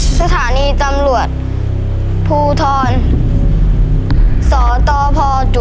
สถานีจำรวจผู้ทอนสตพ